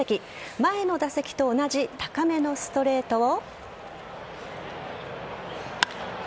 前の打席と同じ高めのストレートを。